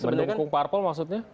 mendukung parpol maksudnya